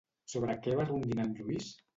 Sobre què va rondinar en Lluís?